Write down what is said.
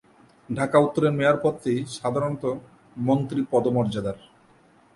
ঢাকা উত্তরের মেয়র পদটি সাধারণত মন্ত্রী পদমর্যাদার।